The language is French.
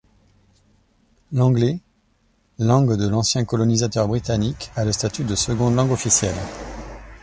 L'anglais, langue de l'ancien colonisateur britannique, a le statut de seconde langue officielle.